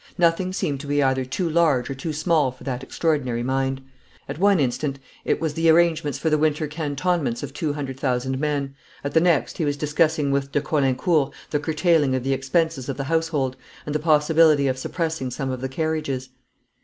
Nothing seemed to be either too large or too small for that extraordinary mind. At one instant it was the arrangements for the winter cantonments of two hundred thousand men, at the next he was discussing with de Caulaincourt the curtailing of the expenses of the household, and the possibility of suppressing some of the carriages.